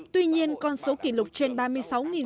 tuy nhiên con số kỷ lục trên ba mươi sáu doanh nghiệp